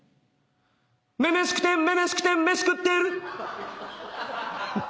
「女々しくて女々しくて飯食ってる」